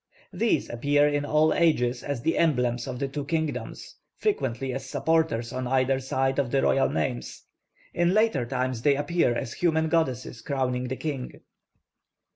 These appear in all ages as the emblems of the two kingdoms, frequently as supporters on either side of the royal names; in later times they appear as human goddesses crowning the king.